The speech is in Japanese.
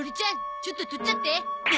ちょっと取っちゃって！